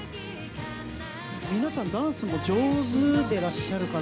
皆さんダンスも上手でいらっしゃるから。